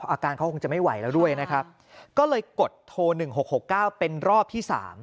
อาการเขาคงจะไม่ไหวแล้วด้วยนะครับก็เลยกดโทร๑๖๖๙เป็นรอบที่๓